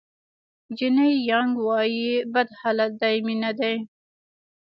جیني یانګ وایي بد حالت دایمي نه دی.